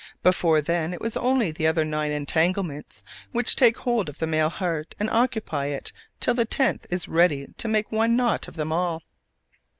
Before then, it was only the other nine entanglements which take hold of the male heart and occupy it till the tenth is ready to make one knot of them all.